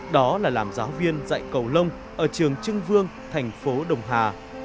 đó là làm giáo viên dạy cầu lông ở trường trưng vương thành phố đồng hà